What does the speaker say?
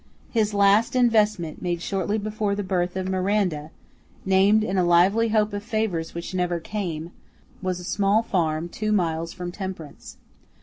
His last investment, made shortly before the birth of Miranda (named in a lively hope of favors which never came), was a small farm two miles from Temperance.